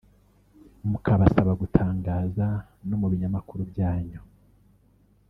mukabasaba gutangaza no mu binyamakuru byanyu